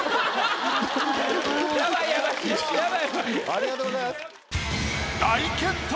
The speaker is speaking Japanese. ありがとうございます。